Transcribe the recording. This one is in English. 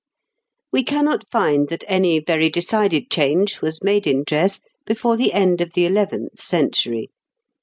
] We cannot find that any very decided change was made in dress before the end of the eleventh century.